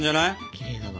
きれいだわ。